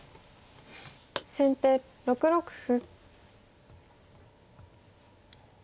先手６六歩。